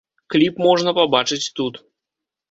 Кліп можна пабачыць тут.